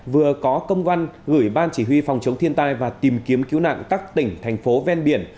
vừa có công văn gửi ban chỉ huy phòng chống thiên tai và tìm kiếm cứu nạn các tỉnh thành phố ven biển